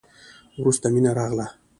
وروسته مينه راغله.